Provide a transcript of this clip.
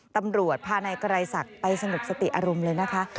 ตำรวจพาในกรายศักดิ์ไปสนุกสติอารมณ์เลยนะคะ